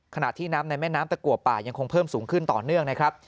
ขณะที่น้ำในแม่น้ำตะกัวป่ายังคงเพิ่มสูงขึ้นต่อเนื่องนะครับ